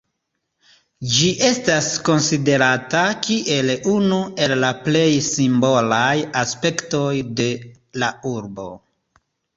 Ĝi estas konsiderata kiel unu el la plej simbolaj aspektoj de la urbo.